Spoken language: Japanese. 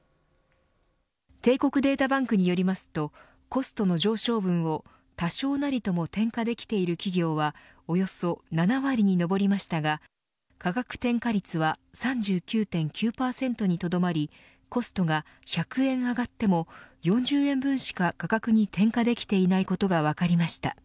帝国データバンクによりますとコストの上昇分を多少なりとも転嫁できている企業はおよそ７割に上りましたが価格転嫁率は３９．９％にとどまりコストが１００円上がっても４０円分しか価格に転嫁できていないことが分かりました。